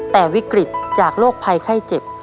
แต่วิกฤตจากโรคภัยไข้เจ็บ